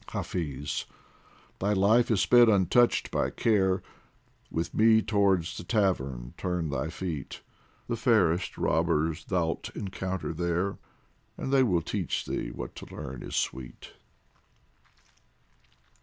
Hafiz, thy life has sped untouched by care, With me towards the tavern turn thy feet ! The fairest robbers thou'lt encounter there, And they will teach thee what to learn is sweet.